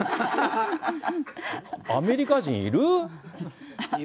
アメリカ人いる？